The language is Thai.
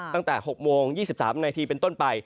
ตั้งแต่๖โมง๒๓นาทีเป็นต้นไป